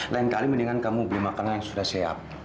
lain kali mendingan kamu beli makanan yang sudah siap